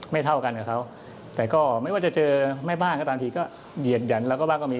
เท่ากันกับเขาแต่ก็ไม่ว่าจะเจอแม่บ้านก็ตามทีก็เหยียดหั่นแล้วก็บ้างก็มี